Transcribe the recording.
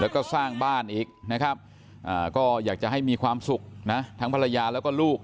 แล้วก็สร้างบ้านอีกนะครับก็อยากจะให้มีความสุขนะทั้งภรรยาแล้วก็ลูก